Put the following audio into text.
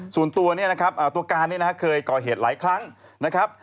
ส่วนตัวเนี่ยนะครับตัวการเนี่ยนะฮะเคยก่อเหตุหลายครั้งนะครับ